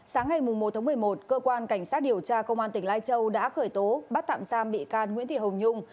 sáng ngày một một mươi một cơ quan cảnh sát điều tra công an tỉnh lai châu đã khởi tố bắt tạm giam bị can nguyễn thị hồng nhung